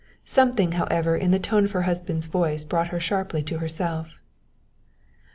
Something, however, in the tone of her husband's voice brought her sharply to herself.